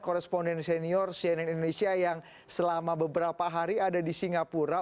koresponden senior cnn indonesia yang selama beberapa hari ada di singapura